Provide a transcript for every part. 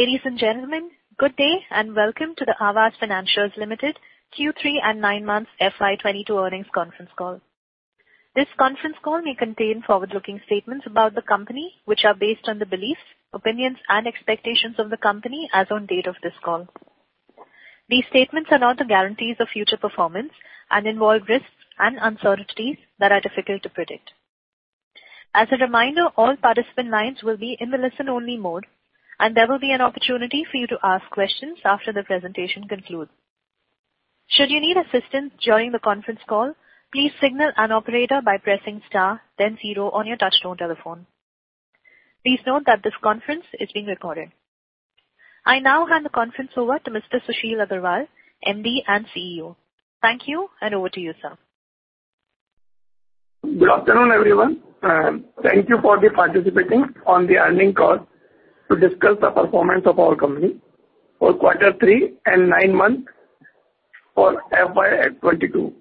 Ladies and gentlemen, good day and welcome to the Aavas Financiers Limited Q3 and nine months FY 2022 earnings conference call. This conference call may contain forward-looking statements about the company, which are based on the beliefs, opinions and expectations of the company as on date of this call. Good afternoon, everyone. Thank you for participating on the earnings call to discuss the performance of our company for quarter 3 and 9 months for FY 2022.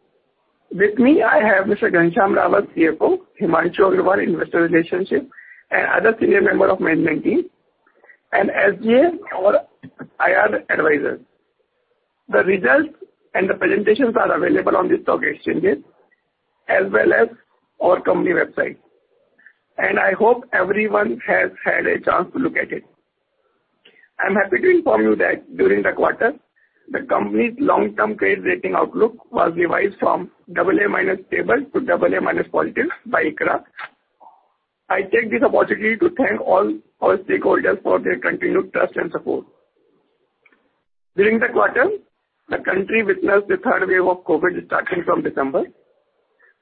With me, I have Mr. Ghanshyam Rawat, CFO, Himanshu Agrawal, Investor Relations, and other senior member of management team and SGA or IR advisors.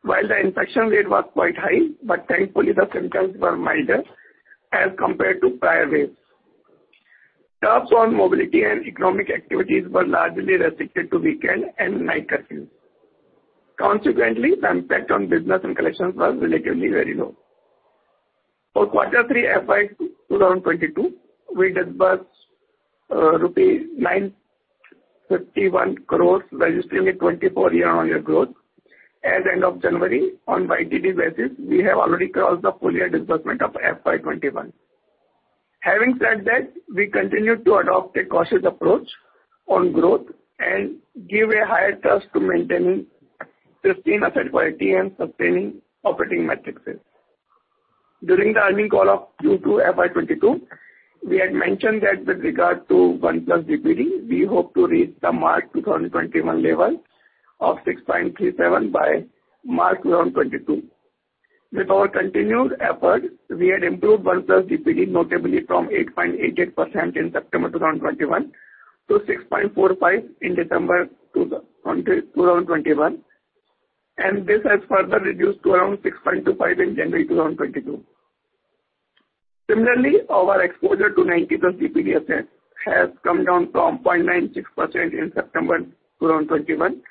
While the infection rate was quite high, but thankfully the symptoms were milder as compared to prior waves. Restrictions on mobility and economic activities were largely restricted to weekend and night curfew. Consequently, the impact on business and collections was relatively very low. With our continued effort, we had improved 1+ DPD notably from 8.88% in September 2021 to 6.45% in December 2021, and this has further reduced to around 6.25% in January 2022. Similarly, our exposure to 90+ DPD assets has come down from 0.96% in September 2021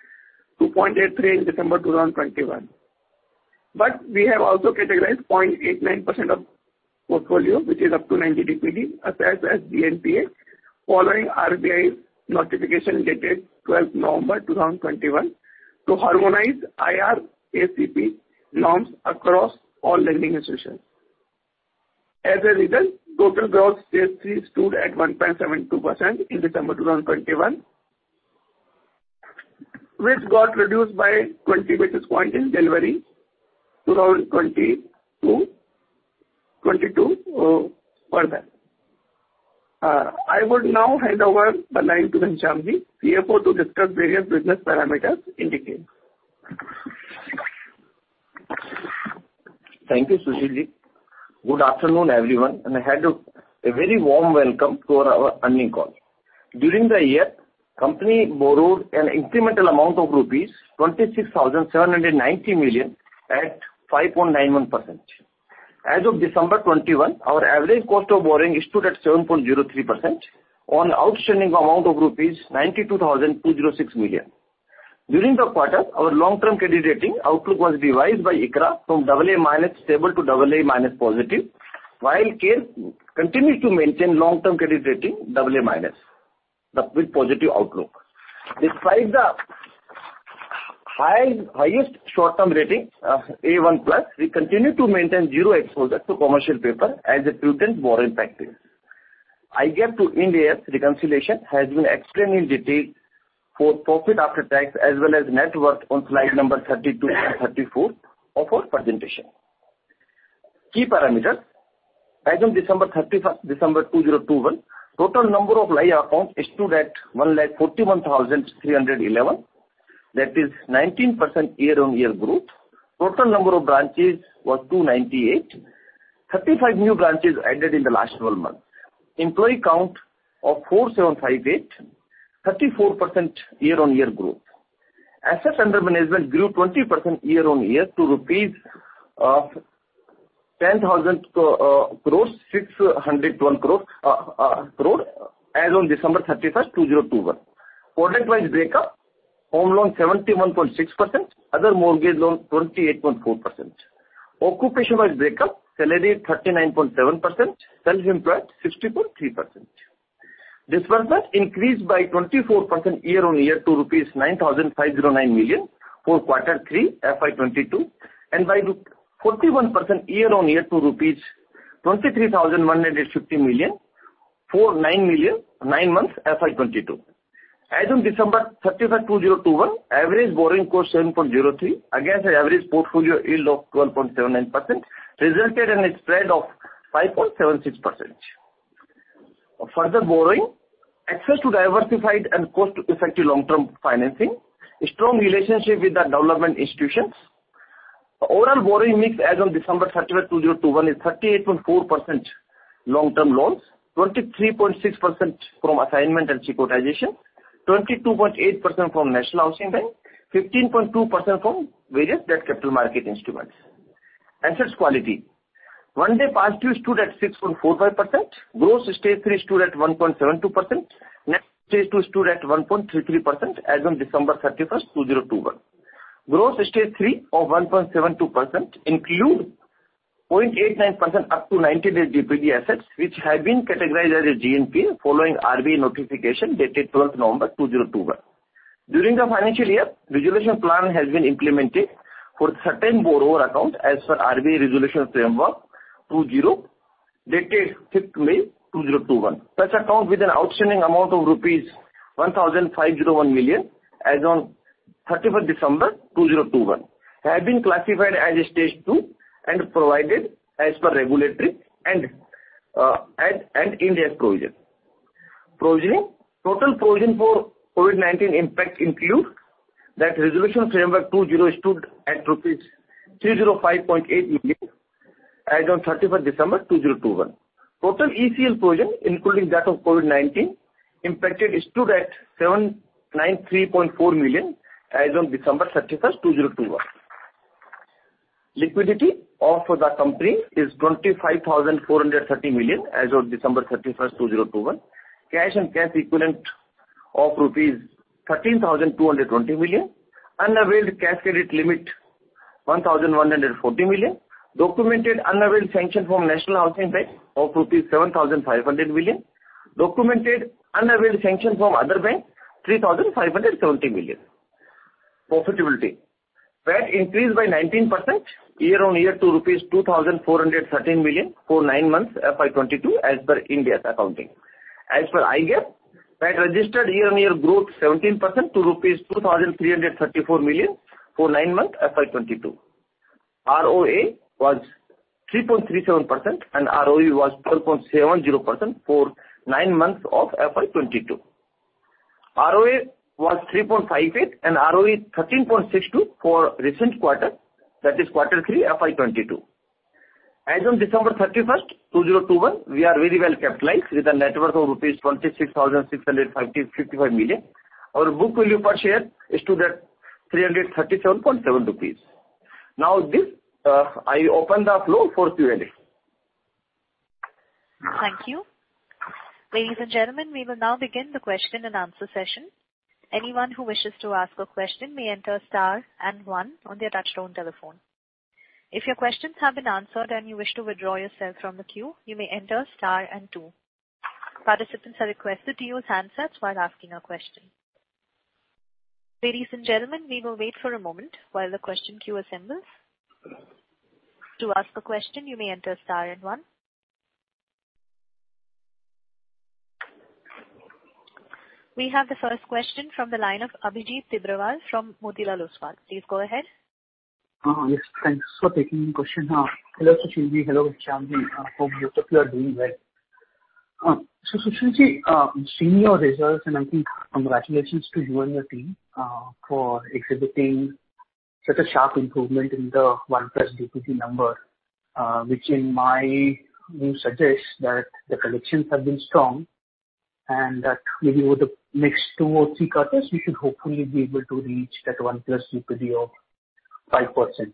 to 0.83% in December 2021. I would now hand over the line to Ghanshyam Rawat, CFO, to discuss various business parameters in detail. Thank you, Sushilji. Good afternoon, everyone. I extend a very warm welcome to our earnings call. During the year, company borrowed an incremental amount of rupees 26,790 million at 5.91%. As of December 2021, our average cost of borrowing stood at 7.03% on outstanding amount of INR 92,206 million. IGAAP to Ind AS reconciliation has been explained in detail for profit after tax as well as net worth on slide number 32 and 34 of our presentation. Regarding key parameters, as of December 31, 2021, total number of live accounts stood at 1,41,311, which is 19% year-on-year growth. Total number of branches was 298, with 35 new branches added in the last twelve months. Employee count was 4,758, showing a 34% year-on-year growth. Assets Under Management (AUM) grew 20% year-on-year to 10,601 crore rupees as on December 31, 2021. Disbursement increased by 24% year-on-year to INR 9,509 million for Q3 FY 2022. It increased by 41% year-on-year to rupees 23,150 million for nine months FY 2022. As on December 31, 2021, average borrowing cost was 7.03% against the average portfolio yield of 12.79%, resulting in a spread of 5.76%. For further borrowing access to diversified and cost-effective long-term financing, we maintain a strong relationship with the development institutions. Gross Stage 3 stood at 1.72% and Net Stage 2 stood at 1.33% as of December 31, 2021. The Gross Stage 3 of 1.72% includes 0.89% of up to 90-day DPD (Days Past Due) assets, which have been categorized as a GNPA following the RBI notification dated November 12, 2021. During the financial year, a resolution plan was implemented for certain borrower accounts as per the RBI Resolution Framework 2.0 dated May 5, 2021. Such accounts, with an outstanding amount of rupees 1,501 million as of December 31, 2021, have been classified as Stage 2 and provided for as per regulatory and Ind AS provisions. Total provision for COVID-19 impact, including that resolution framework 2.0, stood at rupees 305.8 million as on December 31, 2021. Total ECL provision, including that of COVID-19 impacted, stood at 793.4 million as on December 31, 2021. Liquidity of the company is 25,430 million as on December 31, 2021. This includes cash and cash equivalents of rupees 13,220 million, unavailed cash credit limits of 1,140 million, documented unavailed sanctions from National Housing Bank of rupees 7,500 million, and documented unavailed sanctions from other banks of 3,570 million. Profitability increased, with PAT up by 19% year-on-year to rupees 2,413 million for nine months FY 2022 as per Ind AS accounting. As per IGAAP, PAT registered year-on-year growth of 17% to rupees 2,334 million for nine months FY 2022. ROA was 3.37% and ROE was 12.70% for nine months of FY 2022. ROA was 3.58% and ROE 13.62% for the recent quarter, Q3 FY 2022. As on December 31, 2021, we are very well capitalized with a net worth of rupees 26,655 million. Our book value per share stood at 337.7 rupees. Now with this, I open the floor for Q&A. Thank you. Ladies and gentlemen, we will now begin the question and answer session. Anyone who wishes to ask a question may enter star and one on their touchtone telephone. If your questions have been answered and you wish to withdraw yourself from the queue, you may enter star and two. Participants are requested to use handsets while asking a question. Ladies and gentlemen, we will wait for a moment while the question queue assembles. To ask a question, you may enter star and one. We have the first question from the line of Abhijit Tibrewal from Motilal Oswal. Please go ahead. Yes, thanks for taking the question. Hello, Sushilji. Hello, Shyamji. Hope both of you are doing well. Sushilji, seeing your results and I think congratulations to you and your team, for exhibiting such a sharp improvement in the 1+ DPD number, which in my view suggests that the collections have been strong and that maybe over the next 2 or 3 quarters we should hopefully be able to reach that 1+ DPD of 5%.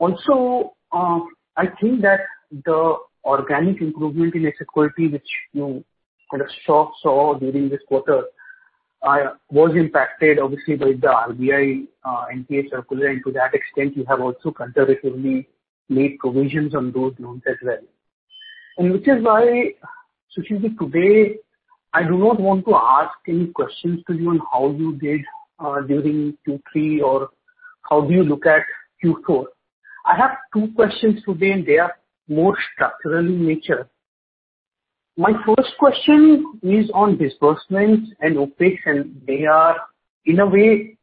Also, I think that the organic improvement in asset quality, which you kind of saw during this quarter, was impacted obviously by the RBI NPA circular, and to that extent, you have also conservatively made provisions on those loans as well. Which is why today I do not want to ask any questions to you on how you did during Q3 or how do you look at Q4. I have two questions today, and they are more structural in nature. My first question is on disbursements and operations. They are, in a way,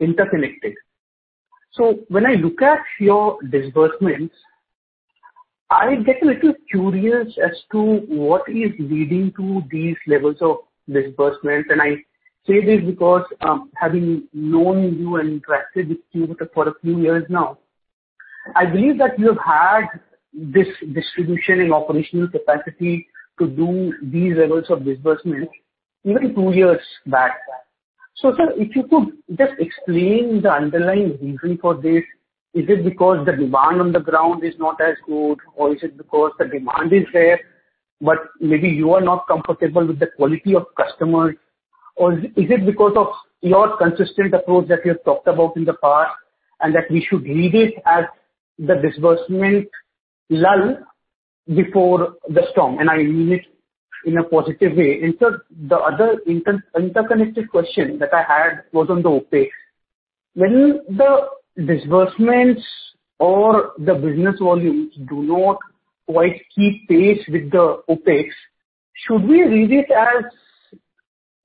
interconnected. When I look at your disbursements, I get a little curious as to what is leading to these levels of disbursements. I say this because, having known you and interacted with you for a few years now, I believe that you have had this distribution and operational capacity to do these levels of disbursement even two years back. Sir, if you could just explain the underlying reason for this. Is it because the demand on the ground is not as good, or is it because the demand is there, but maybe you are not comfortable with the quality of customers? Or is it because of your consistent approach that you have talked about in the past? In fact, the other interconnected question that I had was on the OpEx. When the disbursements or the business volumes do not quite keep pace with the OpEx, should we read it as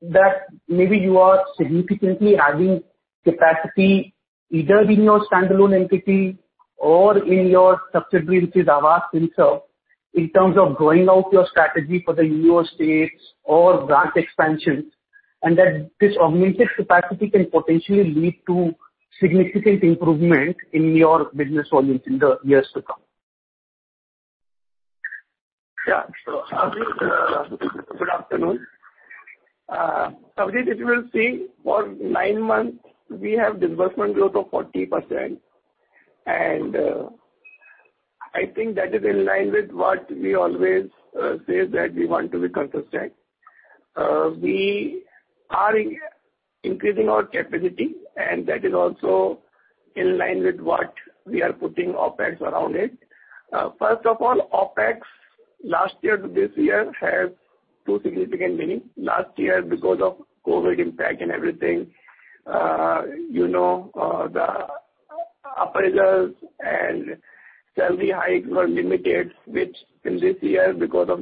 that maybe you are significantly adding capacity either in your standalone entity or in your subsidiary, which is Aavas himself, in terms of growing out your strategy for the U.S. states or branch expansion, and that this augmented capacity can potentially lead to significant improvement in your business volumes in the years to come? Yeah. Abhijit, good afternoon. If you will see for nine months, we have disbursement growth of 40%. I think that is in line with what we always say that we want to be consistent. We are increasing our capacity, and that is also in line with what we are putting OpEx around it. First of all, OpEx last year to this year has two significant meaning. Last year because of COVID impact, the appraisers and salary hikes were limited, which in this year has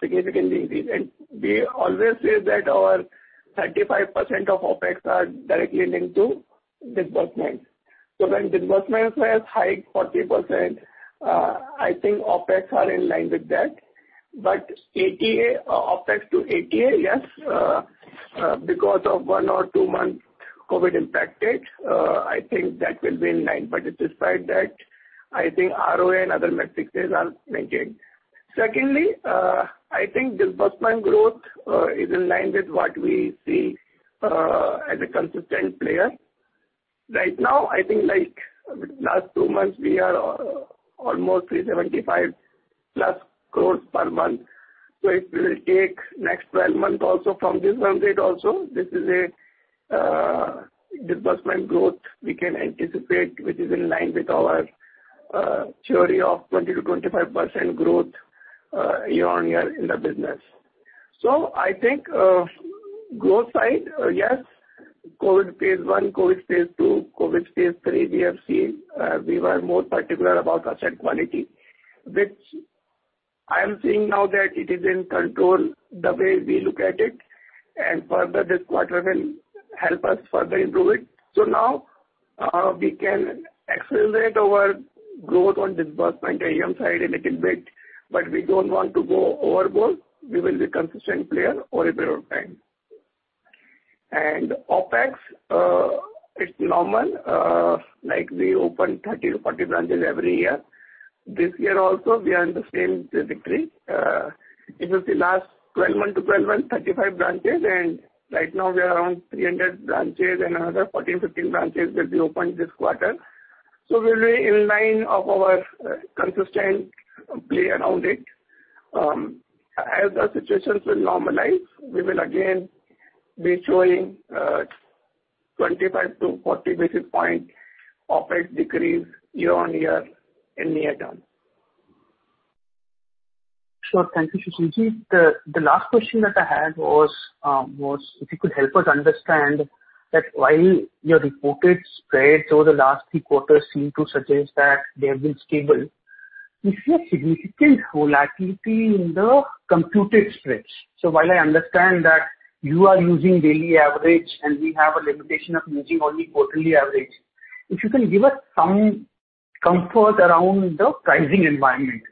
significantly increased. We always say that 35% of our OpEx are directly linked to disbursement. When disbursements were high (40%), I think OpEx are in line with that. OpEx to ATA, yes, because of 1 or 2 months COVID impacted, I think that will be in line. Despite that, I think ROA and other metrics are maintained. Secondly, I think disbursement growth is in line with what we see as a consistent player. Right now, I think like last 2 months we are almost 375+ crores per month. So if we will take next 12 months also, this is a disbursement growth we can anticipate which is in line with our theory of 20%-25% growth, year-on-year. I think, growth side, yes, COVID phase one, COVID phase two, COVID phase three we have seen, we were more particular about asset quality, which I am seeing now that it is in control the way we look at it, and further this quarter will help us further improve it. Now, we can accelerate our growth on disbursement AUM side a little bit, but we don't want to go overboard. We will be consistent player over a period of time. OpEx, it's normal, like we open 30-40 branches every year. This year also we are in the same trajectory. If you see last 12-month to 12-month, 35 branches, and right now we are around 300 branches and another 14-15 branches will be opened this quarter. We will be in line of our consistent play around it. As the situations will normalize, we will again be showing 25-40 basis point OpEx decrease year-on-year in near term. Sure. Thank you, Sushil. The last question that I had was if you could help us understand that while your reported spreads over the last three quarters seem to suggest that they have been stable, we see a significant volatility in the computed spreads. While I understand that you are using daily average and we have a limitation of using only quarterly average, if you can give us some comfort around the pricing environment,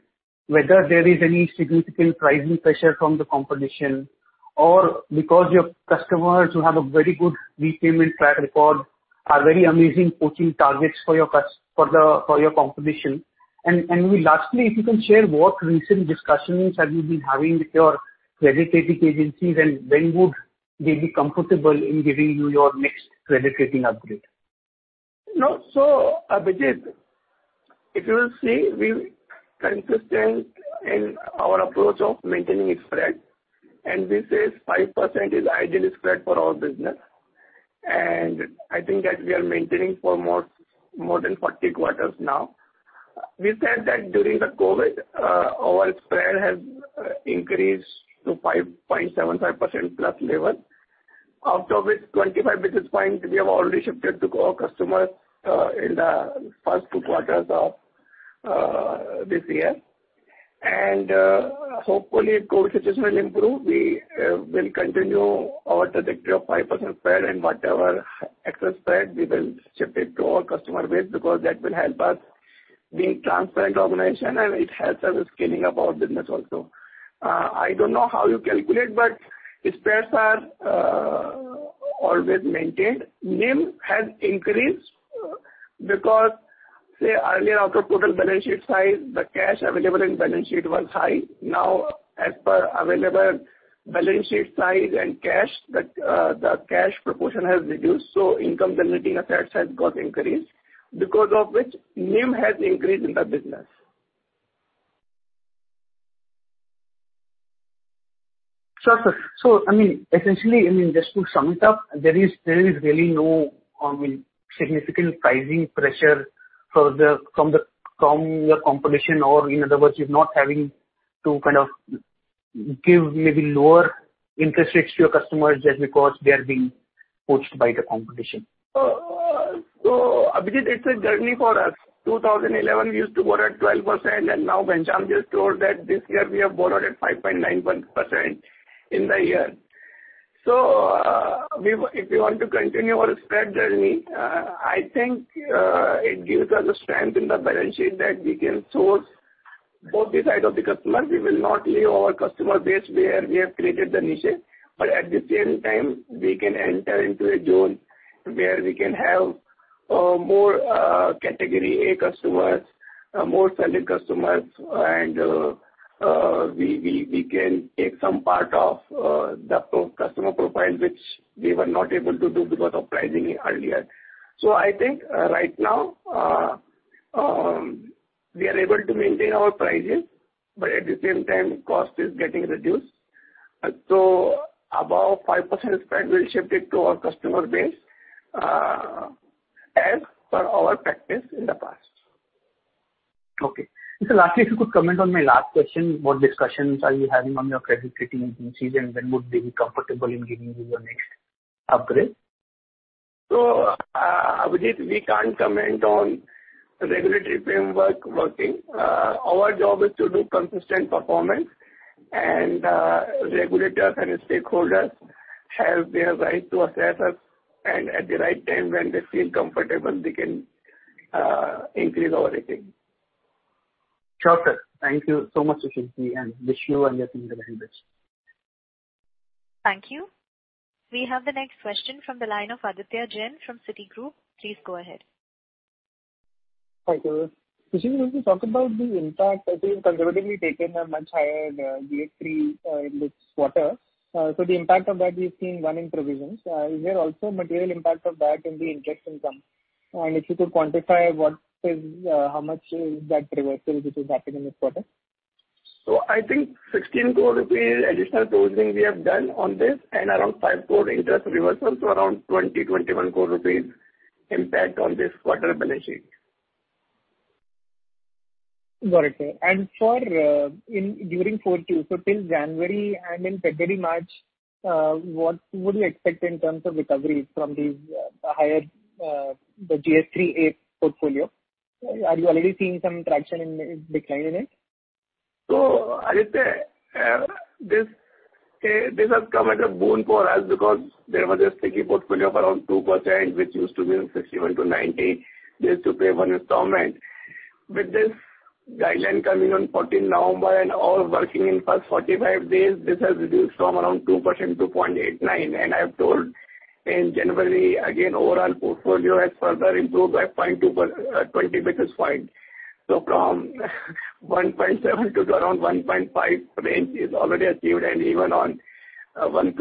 whether there is any significant pricing pressure from the competition or because your customers who have a very good repayment track record are very enticing poaching targets for your competition. Lastly, if you can share what recent discussions have you been having with your credit rating agencies and when would they be comfortable in giving you your next credit rating upgrade? No. Abhijit, if you will see, we're consistent in our approach of maintaining a spread, and we say 5% is ideal spread for our business, and I think that we are maintaining for more than 40 quarters now. We said that during the COVID, our spread has increased to 5.75%+ level. Out of which 25 basis points we have already shifted to our customers in the first two quarters of this year. Hopefully if COVID situations will improve, we will continue our trajectory of 5% spread and whatever excess spread we will shift it to our customer base because that will help us being transparent organization and it helps us with scaling up our business also. I don't know how you calculate but spreads are always maintained. NIM has increased because, say, earlier out of total balance sheet size, the cash available in balance sheet was high. Now, as per available balance sheet size and cash, the cash proportion has reduced, so income generating effects has got increased, because of which NIM has increased in the business. Sure, sir. I mean, essentially, I mean, just to sum it up, there is really no, I mean, significant pricing pressure from your competition, or in other words, you're not having to kind of give maybe lower interest rates to your customers just because they are being pushed by the competition. Abhijit, it's a journey for us. 2011, we used to borrow at 12%, and now Ghanshyam Rawat has told that this year we have borrowed at 5.91% in the year. If we want to continue our spread journey, I think, it gives us the strength in the balance sheet that we can source both the side of the customer. We will not leave our customer base where we have created the niche, but at the same time, we can enter into a zone where we can have more category A customers, more solid customers, and we can take some part of the customer profile, which we were not able to do because of pricing earlier. I think, right now, we are able to maintain our prices, but at the same time, cost is getting reduced. Above 5% spread, we'll shift it to our customer base, as per our practice in the past. Okay. Lastly, if you could comment on my last question, what discussions are you having on your credit rating agencies, and when would they be comfortable in giving you your next upgrade? Abhijit, we can't comment on regulatory framework working. Our job is to do consistent performance and regulators and stakeholders have their right to assess us and at the right time when they feel comfortable, they can increase our rating. Sure, sir. Thank you so much, Sushil ji, and wish you and your team the very best. Thank you. We have the next question from the line of Aditya Jain from Citigroup. Please go ahead. Hi, Sushil. Sushil, would you talk about the impact? I think conservatively taken a much higher GS3 in this quarter. The impact of that we've seen on provisions. Is there also material impact of that in the interest income? If you could quantify what is how much is that reversal which is happening this quarter? I think 16 crore rupees additional provisioning we have done on this and around 5 crore interest reversal, so around 20-21 crore rupees impact on this quarter balance sheet. Got it. During Q4, so till January and in February, March, what would you expect in terms of recovery from these higher the GS3 8 portfolio? Are you already seeing some traction in decline in it? Aditya, this has come as a boon for us because there was a sticky portfolio of around 2%, which used to be in 61-90 days to pay one installment. With this guideline coming on 14th November and all working in first 45 days, this has reduced from around 2% to 0.89%. I have told in January again, overall portfolio has further improved by 0.2%, 20 basis points. From 1.7% to around 1.5% range is already achieved and even on 1+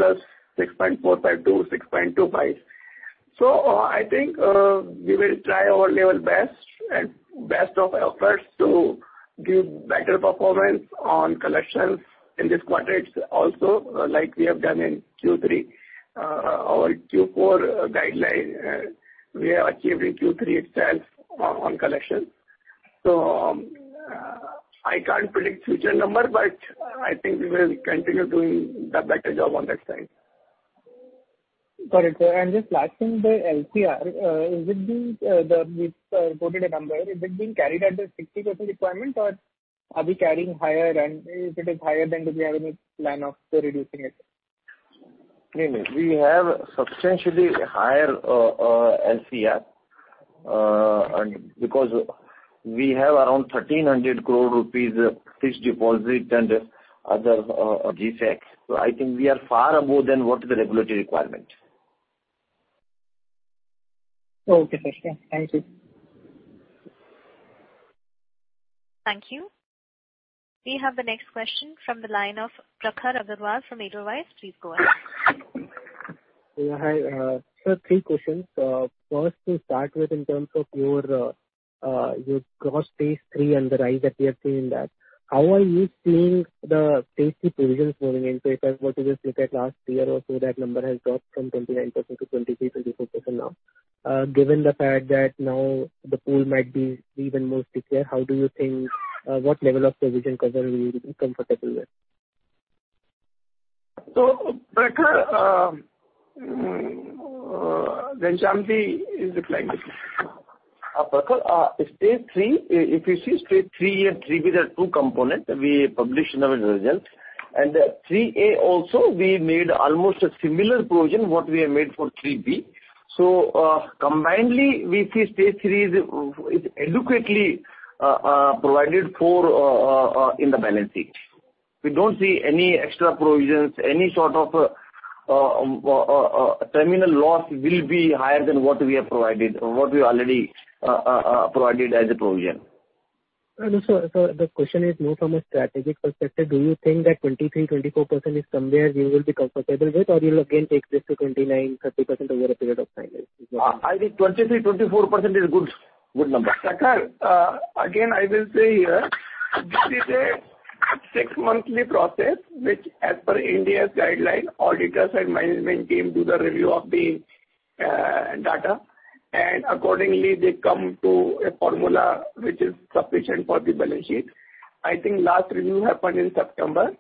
6.45-6.25. I think we will try our level best and best of our efforts to give better performance on collections in this quarter. It's also, like we have done in Q3, our Q4 guideline, we have achieved in Q3 itself on collection. I can't predict future number, but I think we will continue doing the better job on that side. Got it. Just lastly, the LCR. Is it being carried at the 60% requirement or are we carrying higher? If it is higher, then do we have any plan of reducing it? No, no. We have substantially higher LCR, and because we have around 1,300 crore rupees fixed deposit and other G-Secs. I think we are far above than what is the regulatory requirement. Okay, Sushil. Thank you. Thank you. We have the next question from the line of Prakhar Agarwal from Edelweiss. Please go ahead. Yeah, hi. Sir, three questions. First to start with, in terms of your your gross stage three and the rise that we have seen in that, how are you seeing the stage three provisions moving in? If I were to just look at last year or so, that number has dropped from 29% to 23%-24% now. Given the fact that now the pool might be even more stickier, how do you think what level of provision cover will you be comfortable with? Prakhar, Ghanshyam Rawat is declining. Prakhar, if you see Stage 3A and 3B, there are two components we published in our results. Three A also we made almost a similar provision what we have made for 3B. Combinedly, we see Stage 3 is adequately provided for in the balance sheet. We don't see any extra provisions. Any sort of terminal loss will not be higher than what we have provided or what we already provided as a provision. No, sir. The question is more from a strategic perspective. Do you think that 23%-24% is somewhere you will be comfortable with or you'll again take this to 29%-30% over a period of time? I think 23%-24% is good. Good number. Sachinder, again, I will say here this is a six monthly process which as per India's guideline, auditors and management team do the review of the data, and accordingly, they come to a formula which is sufficient for the balance sheet. I think last review happened in September,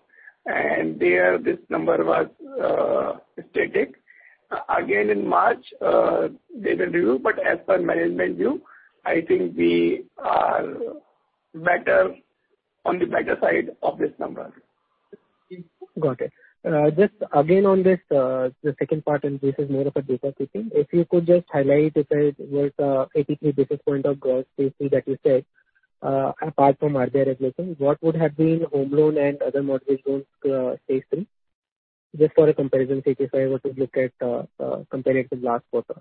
and there this number was static. Again in March, they will review, but as per management view, I think we are better, on the better side of this number. Got it. Just again on this, the second part. This is more of a data thing. If you could just highlight if there was an 83 basis point of growth staging that you said, apart from RBI regulation, what would have been home loan and other mortgage loans staging? Just for comparison's sake, if I were to look at comparing it to last quarter.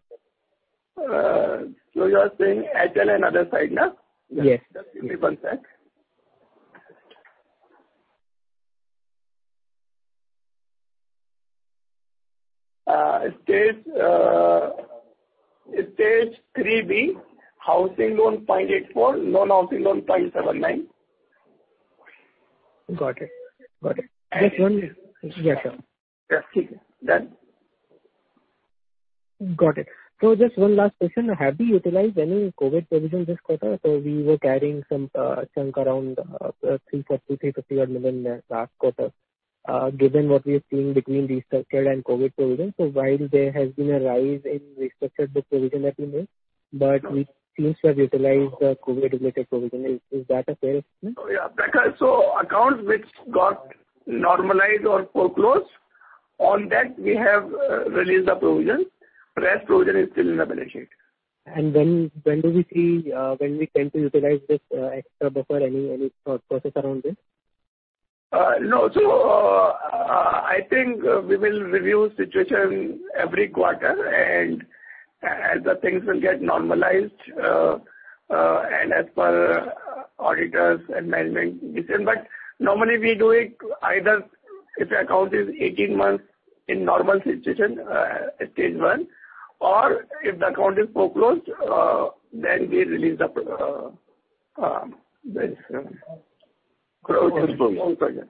You are saying HL and other side now? Yes. Just give me one sec. It says 3B, housing loan 0.84%, non-housing loan 0.79%. Got it. Yes. Yes, sir. Yes. Done? Got it. Just one last question. Have you utilized any COVID provision this quarter? We were carrying some chunk around INR 340-INR 350 million last quarter, given what we are seeing between restructured and COVID provision. While there has been a rise in restructured, the provision that we made, but we seem to have utilized the COVID related provision. Is that a fair assumption? Oh, yeah. Sachinder, accounts which got normalized or foreclosed, on that we have released the provision. Rest provision is still in the balance sheet. When do we see when we tend to utilize this extra buffer, any thought process around this? No. I think we will review situation every quarter and as the things will get normalized, and as per auditors and management decision. Normally we do it either if the account is 18 months in normal situation, Stage 1, or if the account is foreclosed, then we release the provision. Okay. Just one last data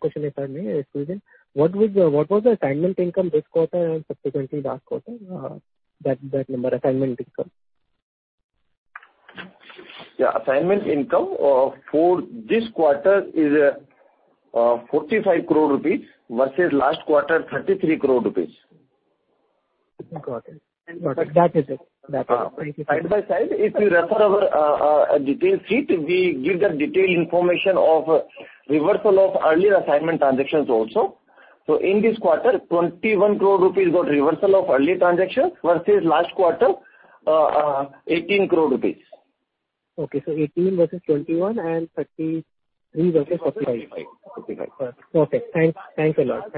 question, if I may. Excuse me. What was the assignment income this quarter and subsequently last quarter? That number, assignment income. Yeah. Assignment income for this quarter is 45 crore rupees versus last quarter, 33 crore rupees. Got it. That is it. That's all. Thank you so much. Side by side, if you refer to our details sheet, we give the detailed information of reversal of earlier assignment transactions also. In this quarter, 21 crore rupees got reversal of early transactions versus last quarter, 18 crore rupees. Okay. 18 versus 21 and 33 versus 45. Forty-five. Perfect. Okay. Thanks a lot.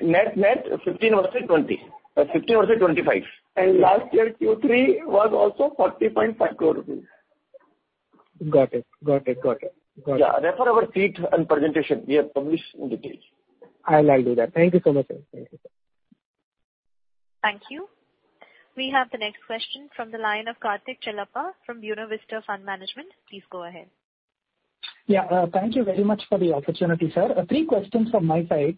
Net-net, 15 versus 20. 15 versus 25. Last year, Q3 was also 40.5 crore rupees. Got it. Yeah. Refer our sheet and presentation. We have published in detail. I'll do that. Thank you so much, sir. Thank you, sir. Thank you. We have the next question from the line of Kartik Chellappa from Univista Fund Management. Please go ahead. Yeah. Thank you very much for the opportunity, sir. Three questions from my side.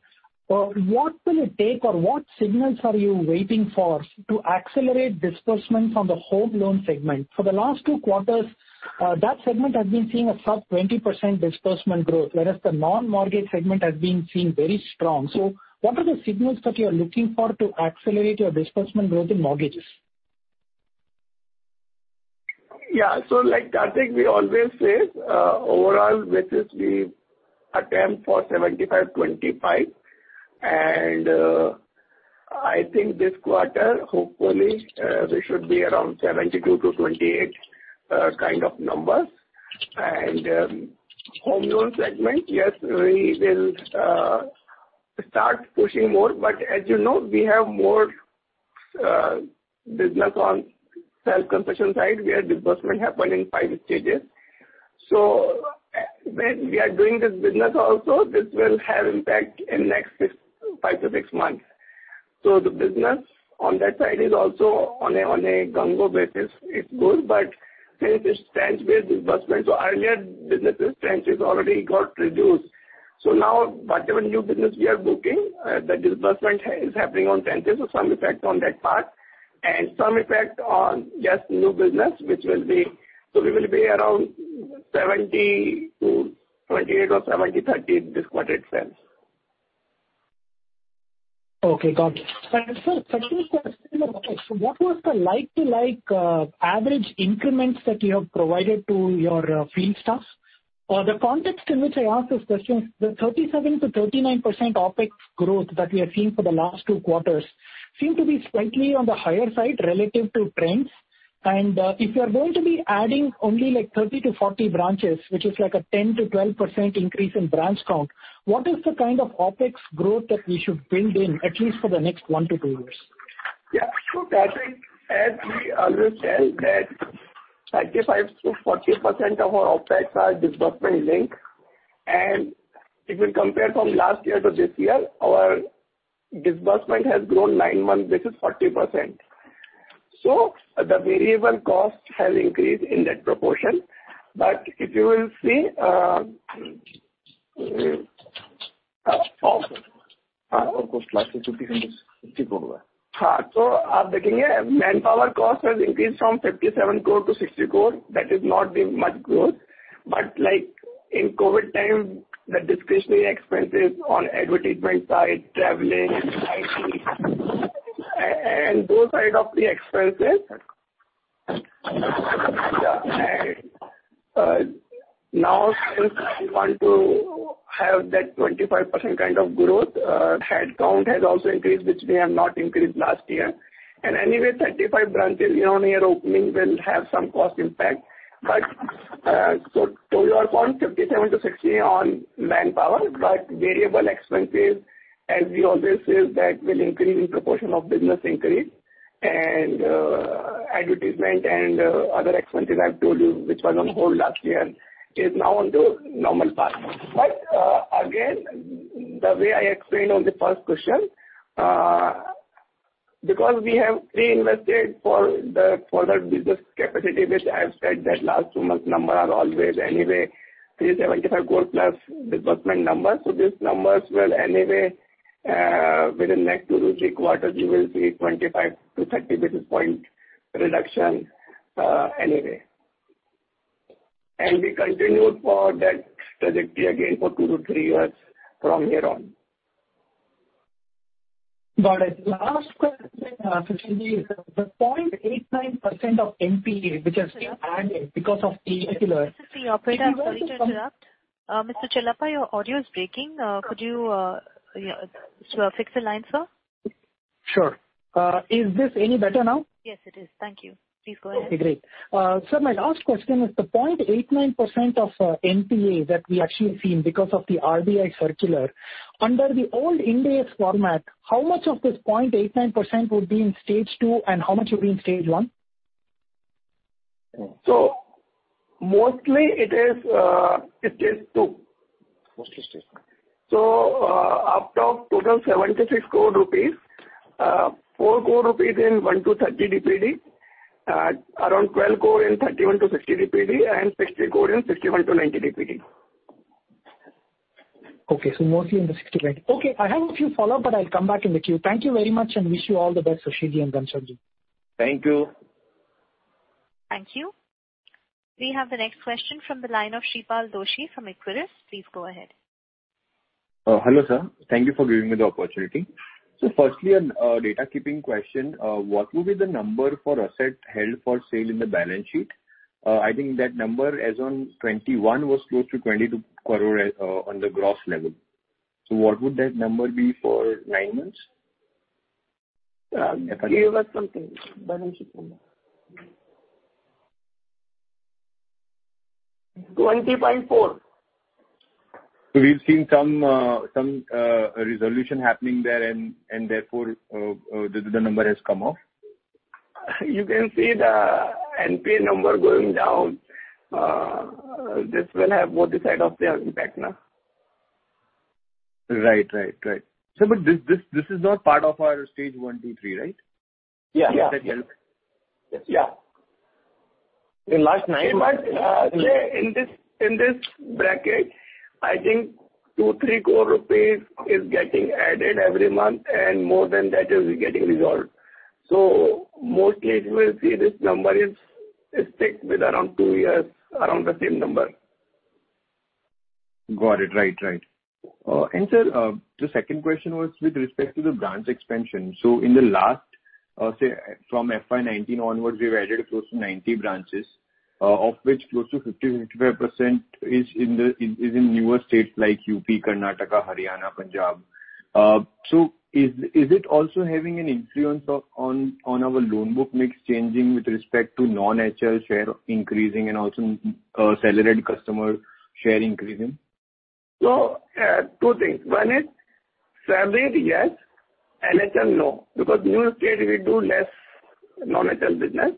What will it take or what signals are you waiting for to accelerate disbursements on the home loan segment? For the last two quarters, that segment has been seeing a sub-20% disbursement growth, whereas the non-mortgage segment has been seeing very strong. What are the signals that you are looking for to accelerate your disbursement growth in mortgages? Yeah. Like Kartik, we always say overall mixes we attempt for 75/25. I think this quarter, hopefully, we should be around 72-28 kind of numbers. Home loan segment, yes, we will start pushing more. As you know, we have more business on self-construction side, where disbursement happen in 5 stages. When we are doing this business also, this will have impact in next six, 5-6 months. The business on that side is also on a run-rate basis. It's good, but since it's tranche-based disbursement, earlier businesses tranches already got reduced. Now whatever new business we are booking, the disbursement is happening on tranches, so some effect on that part and some effect on just new business which will be. We will be around 70 to 28 or 70/30 this quarter itself. Okay, got it. Sir, second question. What was the like-for-like average increments that you have provided to your field staff? The context in which I ask this question, the 37%-39% OpEx growth that we are seeing for the last two quarters seem to be slightly on the higher side relative to trends. If you are going to be adding only like 30-40 branches, which is like a 10%-12% increase in branch count, what is the kind of OpEx growth that we should build in at least for the next one to two years? Yeah, sure, Kartik. As we always tell that 35%-40% of our OpEx are disbursement linked. If you compare from last year to this year, our disbursement has grown nine months; this is 40%. The variable cost has increased in that proportion. If you will see, manpower cost has increased from 57 crore to 60 crore. That is not been much growth. Like in COVID time, the discretionary expenses on advertisement side, traveling, IT and those side of the expenses. Now since we want to have that 25% kind of growth, headcount has also increased, which we have not increased last year. Anyway, 35 branches year-on-year opening will have some cost impact. To your point, 57-60 on manpower, but variable expenses, as we always say, is that will increase in proportion of business increase. Advertisement and other expenses I've told you which were on hold last year is now on the normal path. Again, the way I explained on the first question, because we have reinvested for the, for the business capacity, which I have said that last 2 months number are always anyway 30 crore-75 crore plus disbursement numbers. These numbers will anyway, within next 2-3 quarters, you will see 25-30 basis point reduction, anyway. We continue for that trajectory again for 2-3 years from here on. Last question, Sushil ji, the 0.89% of NPA which has been added because of the circular. This is the operator. Sorry to interrupt. Mr. Chellappa, your audio is breaking. Could you, yeah, just fix the line, sir. Sure. Is this any better now? Yes, it is. Thank you. Please go ahead. Okay, great. Sir, my last question is the 0.89% of NPA that we actually have seen because of the RBI circular. Under the old Ind AS format, how much of this 0.89% would be in stage two and how much would be in stage one? Mostly it is two. Mostly Stage 1. Out of total INR 76 crore, INR 4 crore in 1-30 DPD, around 12 crore in 31-60 DPD, and 60 crore in 61-90 DPD. Okay, mostly in the 60-90. Okay, I have a few follow-up, but I'll come back in the queue. Thank you very much and I wish you all the best, Sushil ji and Ghanshyam ji. Thank you. Thank you. We have the next question from the line of Shripal Doshi from Equirus. Please go ahead. Hello, sir. Thank you for giving me the opportunity. Firstly, a housekeeping question. What will be the number for asset held for sale in the balance sheet? I think that number as on 2021 was close to 22 crore on the gross level. What would that number be for 9 months? Give us something, balance sheet number. 20.4. We've seen some resolution happening there and therefore the number has come up. You can see the NPA number going down. This will have both sides of the impact now. Right. Sir, this is not part of our stage one, two, three, right? Yeah. Yeah. Asset held. Yeah. In the last 9 months. Say in this bracket, I think 2-3 crore rupees is getting added every month, and more than that is getting resolved. Mostly you will see this number is sticking with around 2 years, around the same number. Got it. Right. Sir, the second question was with respect to the branch expansion. In the last, say from FY 2019 onwards, we've added close to 90 branches, of which close to 50-55% is in the newer states like UP, Karnataka, Haryana, Punjab. Is it also having an influence on our loan book mix changing with respect to non-HL share increasing and also salaried customer share increasing? Two things. One is salaried, yes. Non-HL, no, because new state we do less non-HL business.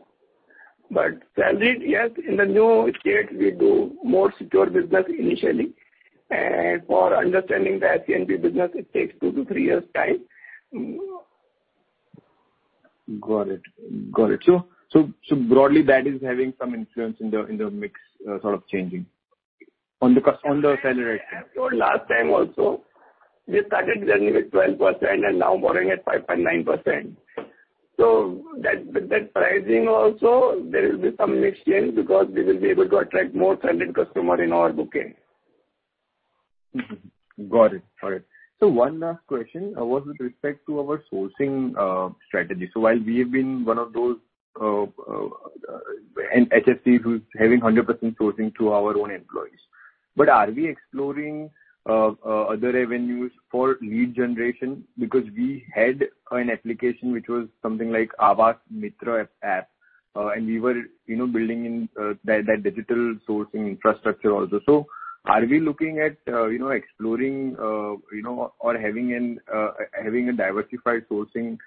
Salaried, yes, in the new state we do more secured business initially. For understanding the SENP business, it takes 2-3 years time. Broadly, that is having some influence in the mix, sort of changing on the salaried. I told last time also, we started journey with 12% and now borrowing at 5.9%. That pricing also there will be some mix change because we will be able to attract more salaried customer in our booking. Got it. One last question was with respect to our sourcing strategy. While we have been one of those HFC who's having 100% sourcing through our own employees. Are we exploring other revenues for lead generation? Because we had an application which was something like Aavas Mitra app, and we were, you know, building in that digital sourcing infrastructure also. Are we looking at, you know, exploring, you know, or having a diversified sourcing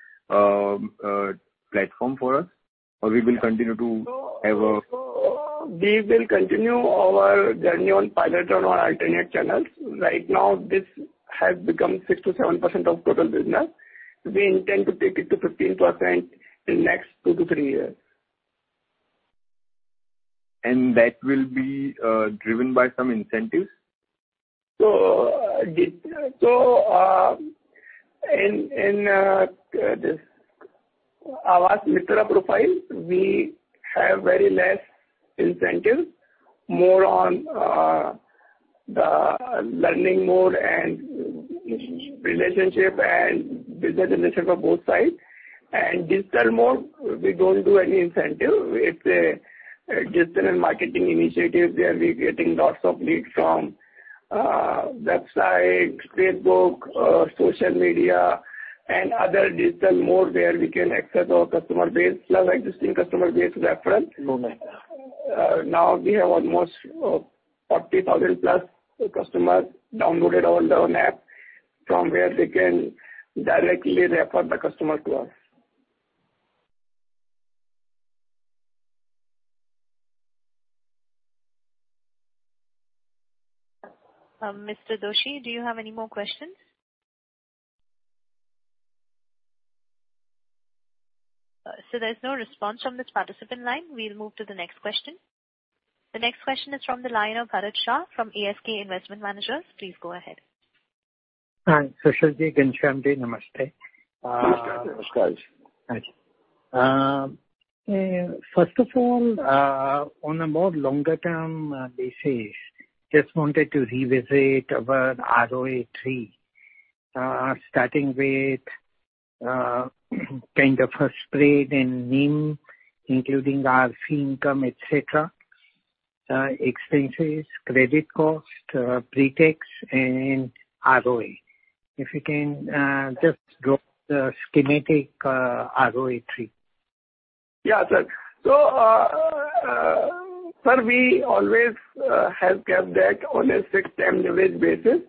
platform for us or we will continue to have a- We will continue our journey on pilot run on alternate channels. Right now, this has become 6%-7% of total business. We intend to take it to 15% in next 2-3 years. That will be driven by some incentives? In this Aavas Mitra's profile, we have very less incentive, more on the learning more and relationship and business initiative on both sides. Digital mode, we don't do any incentive. It's a digital and marketing initiatives where we're getting lots of leads from websites, Facebook, social media and other digital mode where we can access our customer base, plus existing customer base reference. Okay. Now we have almost 40,000+ customers downloaded our loan app from where they can directly refer the customer to us. Mr. Doshi, do you have any more questions? There's no response from this participant line. We'll move to the next question. The next question is from the line of Bharat Shah from ASK Investment Managers. Please go ahead. Hi. Sushil Agarwal ji, Ghanshyam Rawat ji, namaste. Namaskar ji. Right. First of all, on a more longer term basis, just wanted to revisit our ROE tree, starting with kind of a spread in NIM, including fee income, et cetera, expenses, credit cost, pre-tax and ROE. If you can just draw the schematic, ROE tree. Yeah, sir. Sir, we always have kept that on a 6-10 leverage basis.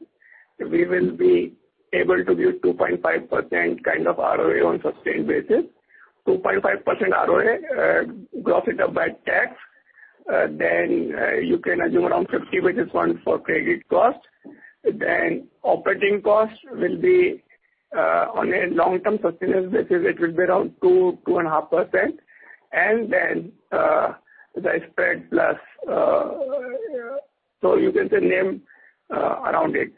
We will be able to give 2.5% kind of ROA on sustained basis. 2.5% ROA, gross it up by tax. You can assume around 50 basis points for credit cost. Operating cost will be on a long-term sustainable basis, it will be around 2-2.5%. The spread plus, so you can say NIM, around it.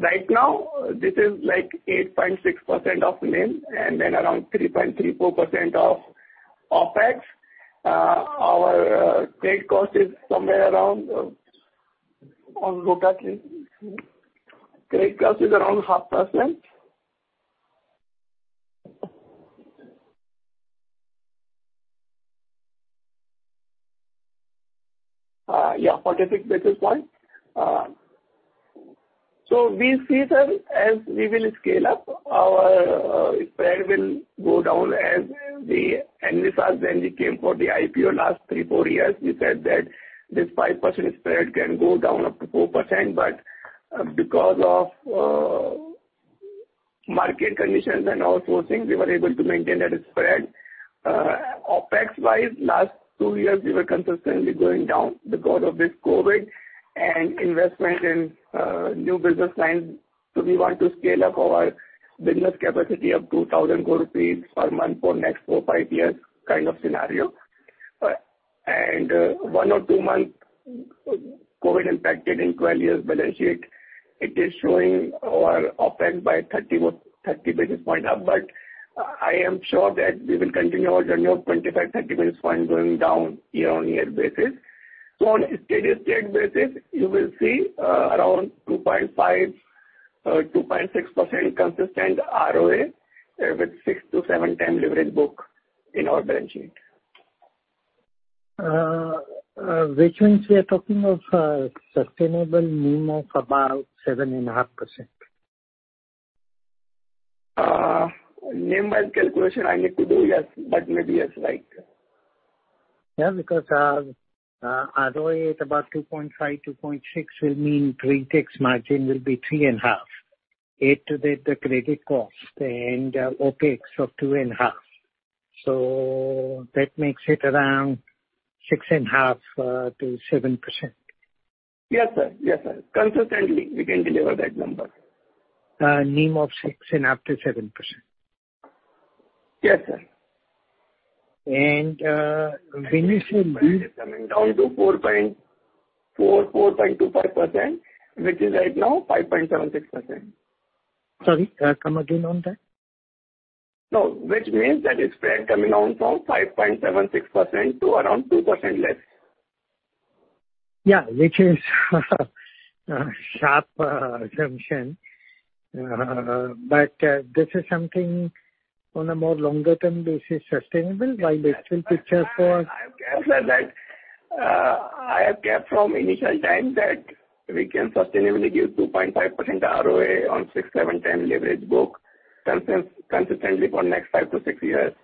Right now this is like 8.6% NIM and then around 3.34% OpEx. Our credit cost is around 0.5%. Yeah, 46 basis points. We see, sir, as we will scale up, our spread will go down as we analyze when we came for the IPO last 3-4 years. We said that this 5% spread can go down up to 4%. Because of market conditions and all those things, we were able to maintain that spread. OpEx-wise, last 2 years we were consistently going down because of this COVID and investment in new business lines. We want to scale up our business capacity of 2,000 crore rupees per month for next 4-5 years kind of scenario. One or 2 months COVID impacted in 12 years balance sheet. It is showing our OpEx by 30 basis point up, but I am sure that we will continue our journey of 25-30 basis point going down year-on-year basis. On a steady-state basis, you will see around 2.5-2.6% consistent ROA with 6-7 times leverage book in our balance sheet. Which means we are talking of a sustainable NIM of about 7.5%. NIM calculation I leave to you, yes. Maybe that's right. Yeah, because ROA at about 2.5-2.6 will mean pre-tax margin will be 3.5%. Add to that the credit cost and OpEx of 2.5%. That makes it around 6.5%-7%. Yes, sir. Yes, sir. Consistently, we can deliver that number. NIM of 6%-7%. Yes, sir. When you say margin It's coming down to 4.25%, which is right now 5.76%. Sorry, come again on that. No. Which means that it's spread coming down from 5.76% to around 2% less. Yeah. Which is a sharp assumption. But this is something on a more longer term basis sustainable while the still picture for- Yes, sir. That, I have kept from initial time that we can sustainably give 2.5% ROA on 6-7 times leverage book consistently for next 5-6 years.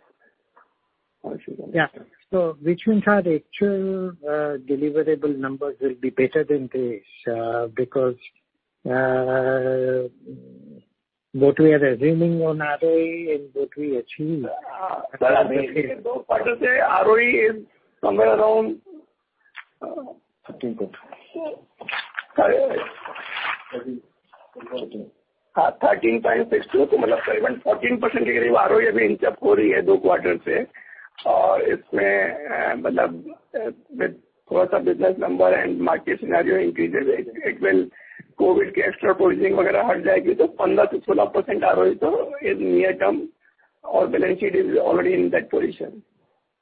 Yeah. Which means our actual, deliverable numbers will be better than this, because what we are assuming on ROE and what we achieve. ROE is somewhere around 13 point— Thirteen. Thirteen. 13.62 ROE. It may increase with business numbers and market scenarios. It will COVID extra provisioning. 15% to 16% ROE—in the near term, our balance sheet is already in that position.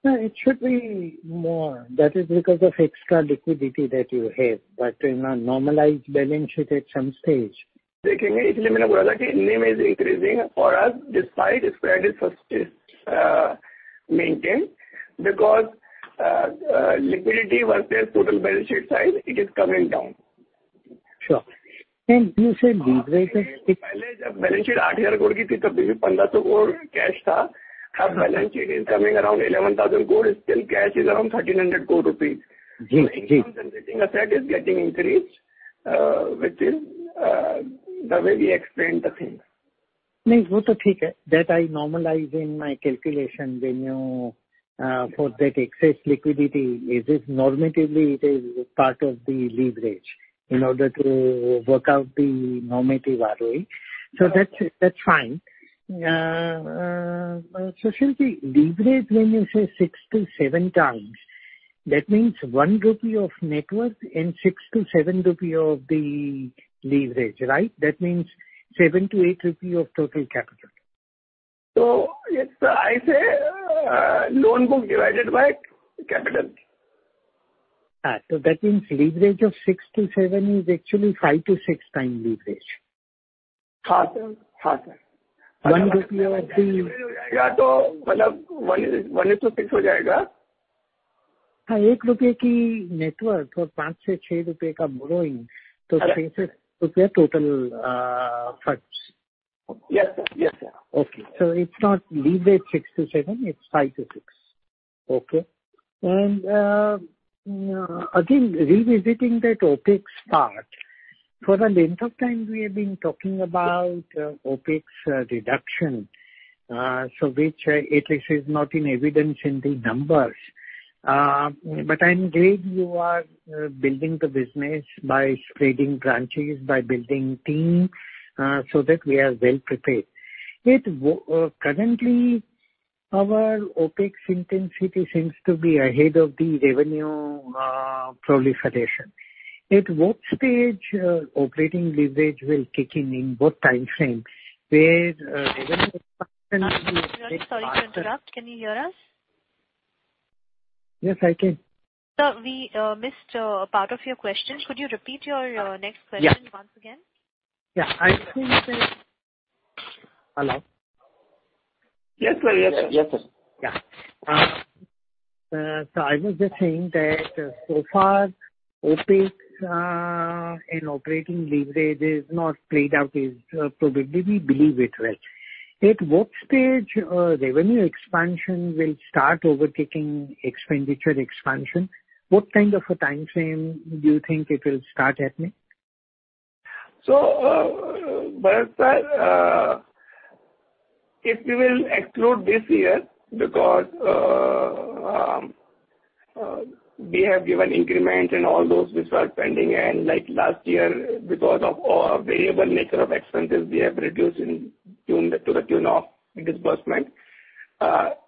No, it should be more. That is because of the extra liquidity that you have. It will normalize the balance sheet at some stage. Is increasing for us despite spread being maintained because liquidity versus total balance sheet size—it is coming down. Sure. You said de-leverage. Balance sheet cash. Our balance sheet is coming to around INR 11,000 crore. Still, cash is around INR 1,300 crore. Income-generating assets are getting increased, which is the way we explained the thing. That I normalize in my calculation when you factor that excess liquidity, is it? Normatively, it is part of the leverage in order to work out the normative ROE. That is fine. Sushil, leverage when you say six to seven times—that means 1 rupee of net worth and 6 to 7 rupees of leverage, right? That means 7 to 8 rupees of total capital. It's loan book divided by capital. That means leverage of 6-7 is actually 5-6 times leverage. 1 rupee of net worth or borrowing total funds. Yes, sir. Yes, sir. Okay. It's not leverage 6-7, it's 5-6. Okay. Again, revisiting that OpEx part. For the length of time we have been talking about OpEx reduction, which at least is not in evidence in the numbers. But I am glad you are building the business by spreading branches, by building teams, so that we are well-prepared. Currently, our OpEx intensity seems to be ahead of the revenue proliferation. At what stage will operating leverage kick in, and in what timeframe? Where revenue expansion— Sorry to interrupt. Can you hear us? Yes, I can. Sir, we missed part of your question. Could you repeat your next question once again? Hello. Yeah. I was just saying that so far OpEx and operating leverage is not played out as probably we believe it will. At what stage revenue expansion will start overtaking expenditure expansion? What kind of a timeframe do you think it will start happening? Bharat sir, if we will exclude this year because we have given increment and all those which are pending. Like last year because of our variable nature of expenses, we have reduced to the tune of disbursement.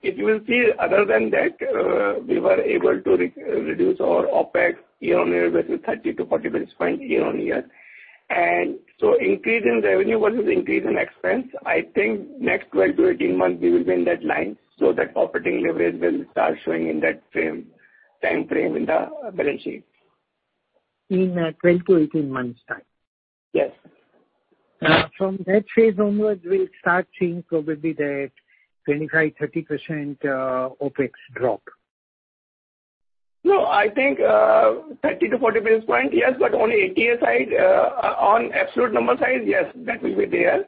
If you will see other than that, we were able to reduce our OpEx year-on-year basis, 30-40 basis points year-on-year. Increase in revenue versus increase in expense, I think next 12 to 18 months we will be in that line. That operating leverage will start showing in that timeframe in the balance sheet. In 12-18 months time. Yes. From that phase onwards we'll start seeing probably that 25%-30% OpEx drop. No, I think 30-40 basis points, yes. But on ATS side, on absolute number size, yes, that will be there.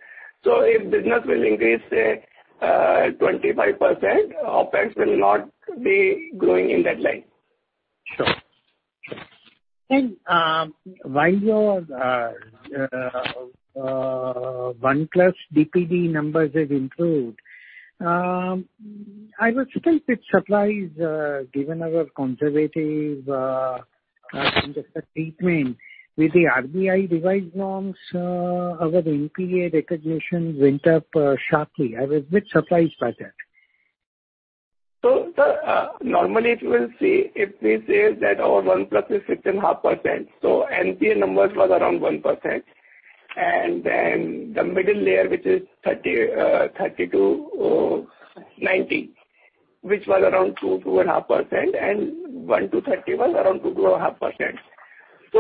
If business will increase at 25%, OpEx will not be growing in that line. Sure. While your 1+ DPD numbers have improved, I was still a bit surprised, given our conservative treatment with the RBI revised norms, our NPA recognition went up sharply. I was a bit surprised by that. Sir, normally if you will see, if we say that our 1+ is 6.5%, NPA numbers was around 1%. The middle layer, which is 30-90, which was around 2.5%, and 1-30 was around 2-2.5%.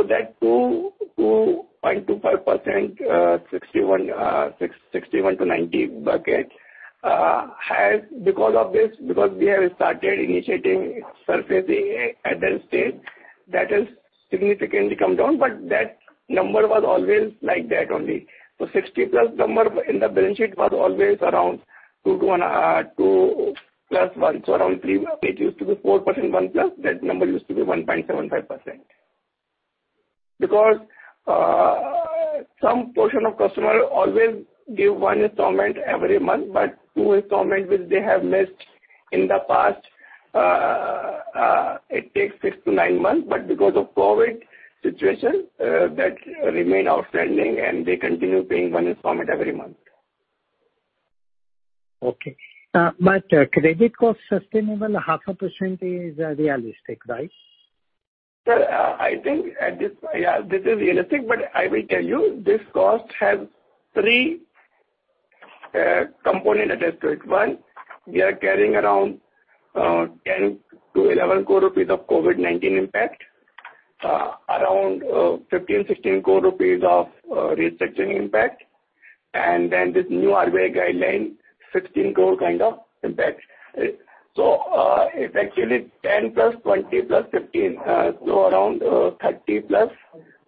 That 2-2.5%, 61-90 bucket has because of this, because we have started initiating surfacing at that stage that has significantly come down, but that number was always like that only. 60+ number in the balance sheet was always around 2-1, 2+1, so around 3%. It used to be 4% 1+. That number used to be 1.75%. Because some portion of customer always give 1 installment every month, but 2 installment which they have missed in the past, it takes 6-9 months, but because of COVID situation, that remain outstanding and they continue paying 1 installment every month. Credit cost sustainable 0.5% is realistic, right? Sir, I think this is realistic, but I will tell you, this cost has three component attached to it. One, we are carrying around 10-11 crore rupees of COVID-19 impact, around 15-16 crore of restructuring impact, and then this new RBI guideline, 16 crore kind of impact. It's actually 10 + 20 + 15, so around 30 +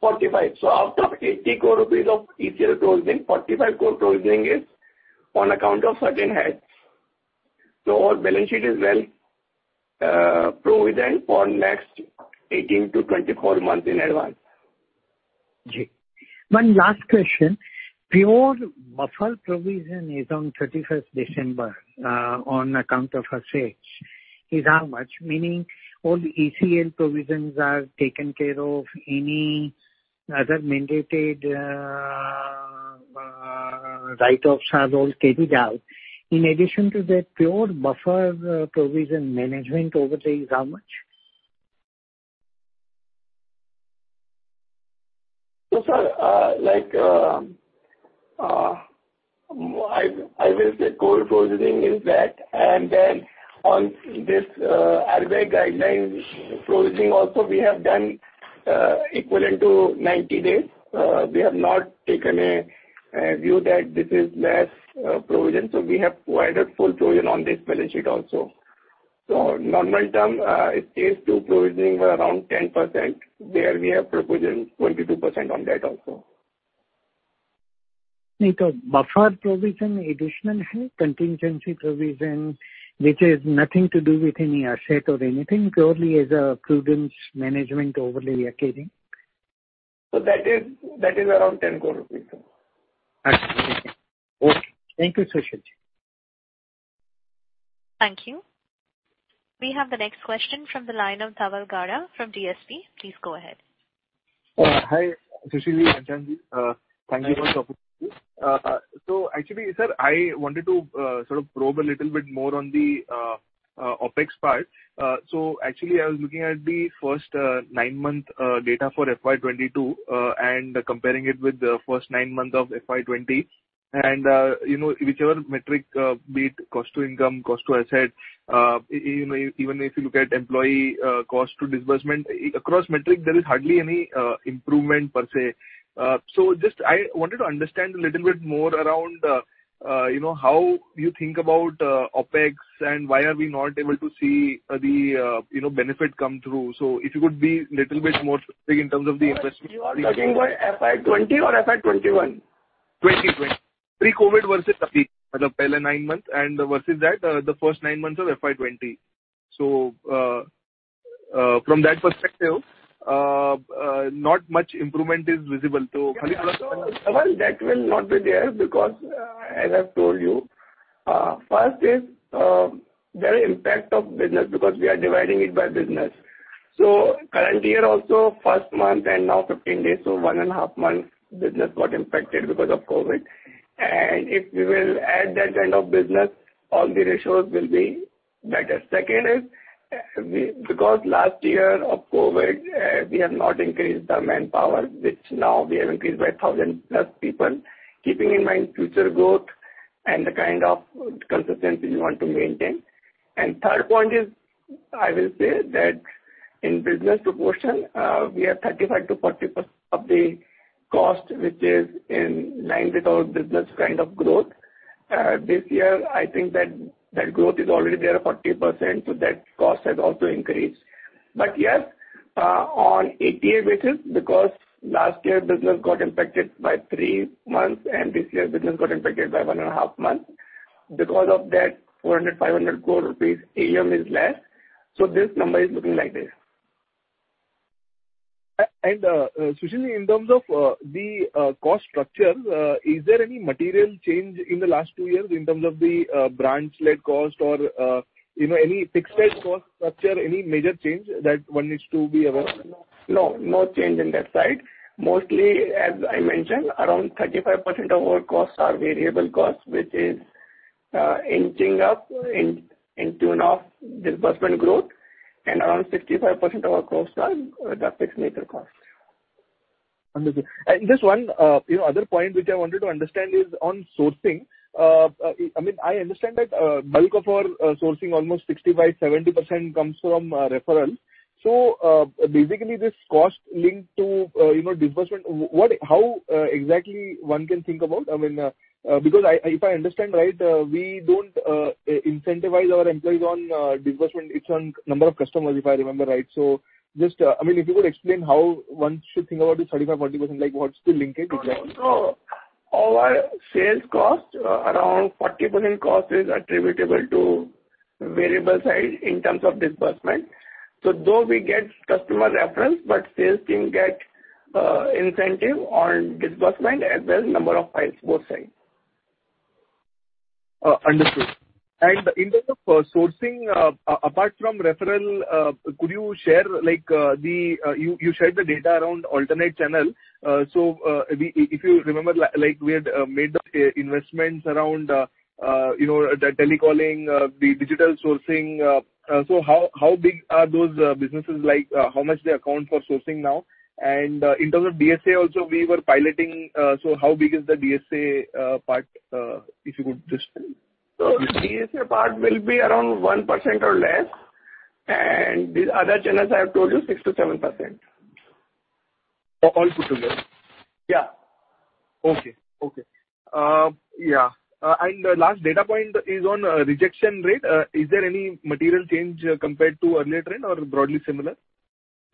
45. Out of 80 crore rupees of ECL provisioning, 45 crore provisioning is on account of certain heads. Our balance sheet is well provisioned for next 18-24 months in advance. Ji. One last question. Pure buffer provision is on thirty-first December, on account of asset is how much? Meaning all the ECL provisions are taken care of, any other mandated write-offs are all carried out. In addition to that, pure buffer provision management over the is how much? Sir, like, I will say core provisioning is that, and then on this, RBI guidelines provisioning also we have done, equivalent to 90 days. We have not taken a view that this is less provision, so we have provided full provision on this balance sheet also. Normal term, it is to provisioning around 10%. There we have provisioned 22% on that also. Buffer provision, additional contingency provision, which has nothing to do with any asset or anything, purely as a prudence management overlay you are carrying. that is around INR 10 crore. Okay. Thank you, Sushil ji. Thank you. We have the next question from the line of Dhaval Gada from DSP. Please go ahead. Hi, Sushil ji, Hansal ji. Thank you for the opportunity. Actually, sir, I wanted to sort of probe a little bit more on the OpEx part. Actually, I was looking at the first nine-month data for FY 2022 and comparing it with the first nine months of FY 2020. You know, whichever metric, be it cost to income, cost to asset, even if you look at employee cost to disbursement, across metric, there is hardly any improvement per se. Just I wanted to understand a little bit more around, you know, how you think about OpEx and why are we not able to see the, you know, benefit come through. If you could be little bit more specific in terms of the interest- You are talking about FY 2020 or FY 2021? 2020. Pre-COVID versus nine months and versus that, the first nine months of FY 2020. From that perspective, not much improvement is visible to. Well, that will not be there because, as I've told you, first is, there is impact of business because we are dividing it by business. Current year also, first month and now 15 days, so one and a half month business got impacted because of COVID. If we will add that kind of business, all the ratios will be better. Second is, because last year of COVID, we have not increased our manpower, which now we have increased by 1,000+ people, keeping in mind future growth and the kind of consistency we want to maintain. Third point is, I will say that in business proportion, we have 35%-40% of the cost, which is in line with our business kind of growth. This year, I think that growth is already there 40%, so that cost has also increased. Yes, on ATA basis, because last year business got impacted by three months and this year business got impacted by one and a half month. Because of that, 400 crore-500 crore rupees AUM is less. This number is looking like this. Sushil ji, in terms of the cost structure, is there any material change in the last two years in terms of the branch led cost or, you know, any fixed cost structure, any major change that one needs to be aware of? No change in that side. Mostly, as I mentioned, around 35% of our costs are variable costs, which is inching up in tune with disbursement growth, and around 65% of our costs are that fixed nature cost. Understood. Just one, you know, other point which I wanted to understand is on sourcing. I mean, I understand that bulk of our sourcing, almost 65%-70% comes from referrals. Basically this cost linked to, you know, disbursement, how exactly one can think about? I mean, because if I understand right, we don't incentivize our employees on disbursement, it's on number of customers, if I remember right. Just, I mean, if you could explain how one should think about this 35%-40%, like what's the linkage exactly? Our sales cost, around 40% cost is attributable to variable side in terms of disbursement. Though we get customer reference, but sales team get incentive on disbursement as well number of files, both sides. Understood. In terms of sourcing, apart from referral, could you share, like, the data around alternate channel. If you remember, like, we had made the investments around, you know, the telecalling, the digital sourcing. How big are those businesses? Like, how much they account for sourcing now? In terms of DSA also we were piloting, so how big is the DSA part, if you could just tell me? The DSA part will be around 1% or less, and the other channels I have told you 6%-7%. All put together? Yeah. Okay. Yeah. Last data point is on rejection rate. Is there any material change compared to earlier trend or broadly similar?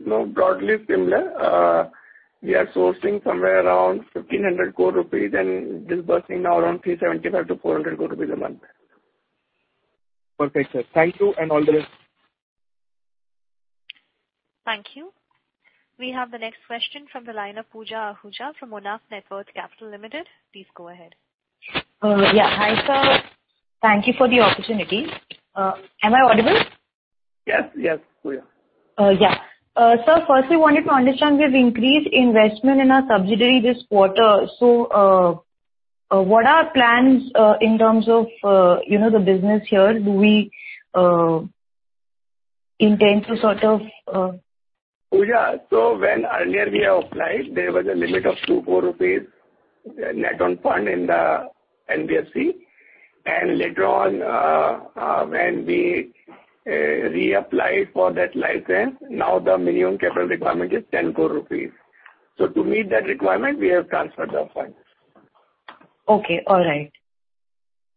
No, broadly similar. We are sourcing somewhere around 1,500 crore rupees and disbursing now around 375 crore-400 crore rupees a month. Perfect, sir. Thank you and all the best. Thank you. We have the next question from the line of Pooja Ahuja from Monarch Networth Capital Limited. Please go ahead. Yeah. Hi, sir. Thank you for the opportunity. Am I audible? Yes, yes, Pooja. Yeah. Sir, first we wanted to understand we have increased investment in our subsidiary this quarter, so what are our plans in terms of you know the business here? Do we intend to sort of Pooja, when earlier we have applied, there was a limit of 2 crore rupees net owned fund in the NBFC. Later on, when we reapplied for that license, now the minimum capital requirement is 10 crore rupees. To meet that requirement, we have transferred the funds. Okay. All right.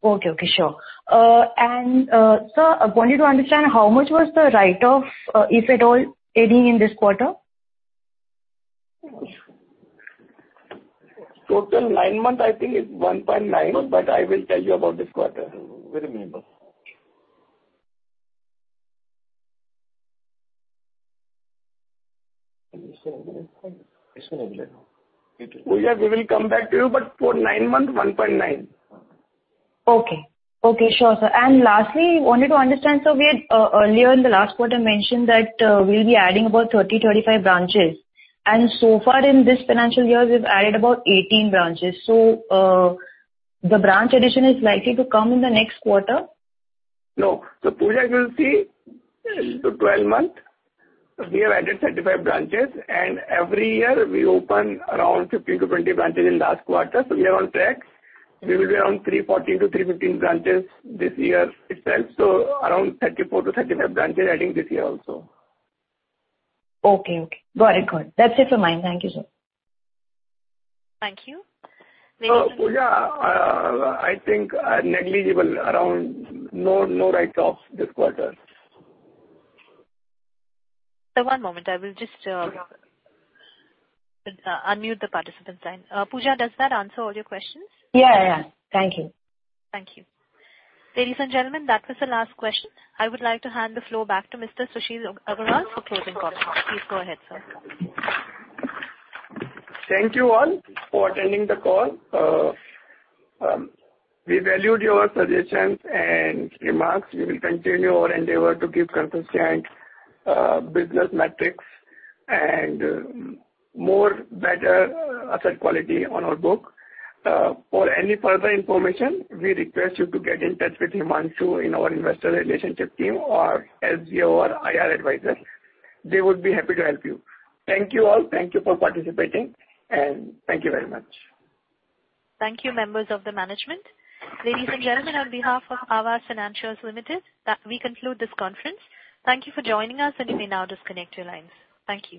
Sure. Sir, I wanted to understand how much was the write-off, if at all, and in this quarter? Total nine months I think is 1.9, but I will tell you about this quarter. Wait a minute. Pooja, we will come back to you, but for nine months, 1.9. Okay, sure, sir. Lastly, I wanted to understand: we had mentioned earlier in the last quarter that we would be adding about 30 to 35 branches. So far in this financial year, we have added about 18 branches. The branch addition is likely to come in the next quarter? No. Pooja, you will see in the last 12 months, we have added 35 branches, and every year we open around 15 to 20 branches in the last quarter—we are on track. We will be around 314 to 315 branches this year itself—around 34 to 35 branches adding this year also. Okay. Got it. That's it for mine. Thank you, sir. Thank you. Pooja, I think, negligible around no write-off this quarter. Sir, one moment, I will just unmute the participant line. Pooja, does that answer all your questions? Yeah, yeah. Thank you. Thank you. Ladies and gentlemen, that was the last question. I would like to hand the floor back to Mr. Sushil Agarwal for closing comments. Please go ahead, sir. Thank you all for attending the call. We valued your suggestions and remarks. We will continue our endeavor to give consistent business metrics and better asset quality on our book. For any further information, we request you to get in touch with Himanshu Agarwal in our Investor Relations team or your IR advisor. They would be happy to help you. Thank you all. Thank you for participating, and thank you very much. Thank you, members of the management. Ladies and gentlemen, on behalf of Aavas Financiers Limited, we conclude this conference. Thank you for joining us, and you may now disconnect your lines. Thank you.